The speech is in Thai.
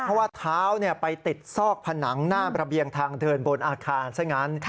เพราะว่าเท้าไปติดซอกผนังหน้าระเบียงทางเดินบนอาคารซะงั้น